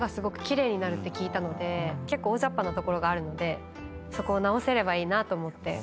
て聞いたので結構大ざっぱなところがあるのでそこを直せればいいなと思って。